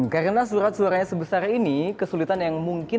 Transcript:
karena surat suaranya sebesar ini kesulitan yang mungkin